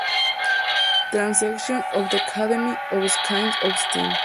Transactions of the Academy of Science of St.